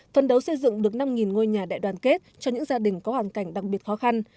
phân đấu xây dựng được năm ngôi nhà đại đoàn kết cho những gia đình có hoàn cảnh đặc biệt khó khăn